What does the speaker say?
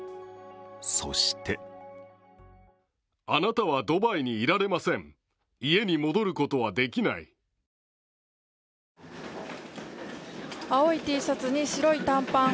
そして青いＴシャツに白い短パン。